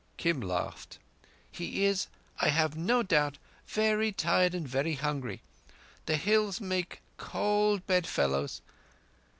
Kim laughed. "He is, I have no doubt, very tired and very hungry. The Hills make cold bedfellows.